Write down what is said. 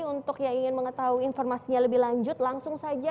untuk yang ingin mengetahui informasinya lebih lanjut langsung saja